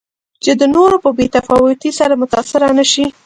چې د نورو په بې تفاوتۍ سره متأثره نه شي.